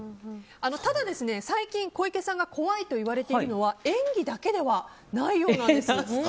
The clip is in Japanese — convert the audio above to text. ただ、最近小池さんが怖いといわれているのは演技だけではないようなんです。